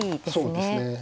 そうですね。